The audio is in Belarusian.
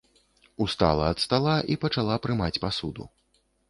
Устала ад стала і пачала прымаць пасуду.